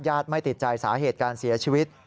ไม่ติดใจสาเหตุการเสียชีวิต